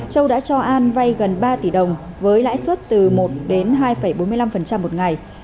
châu đã cho an vay gần ba tỷ đồng với lãi suất từ một đến hai bốn mươi năm một ngày